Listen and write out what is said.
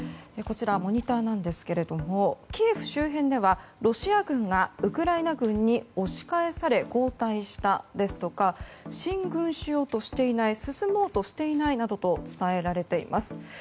こちらモニターなんですけれどもキエフ周辺ではロシア軍がウクライナ軍に押し返され後退したですとか進軍しようとしていない進もうとしていないなどと伝えられています。